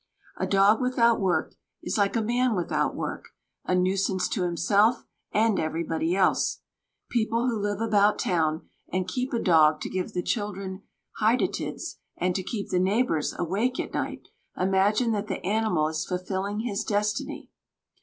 A dog without work is like a man without work, a nuisance to himself and everybody else. People who live about town, and keep a dog to give the children hydatids and to keep the neighbours awake at night, imagine that the animal is fulfilling his destiny.